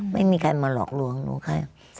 ไม่มีใครมาหลอกหลวงรู้ไหม